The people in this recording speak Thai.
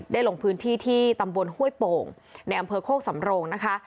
ลงพื้นที่ที่ตำบลห้วยโป่งในอำเภอโคกสำโรงนะคะ